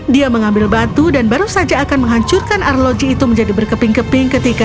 dia mengambil batu dan baru saja akan menghancurkan arloji itu menjadi berkeping keping ketika